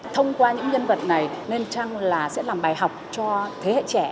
thông qua những nhân vật này nên chăng là sẽ làm bài học cho thế hệ trẻ